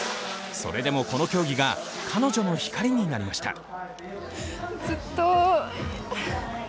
それでもこの競技が彼女の光になりました。